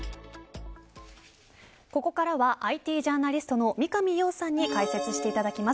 ここからはＩＴジャーナリストの三上洋さんに解説していただきます。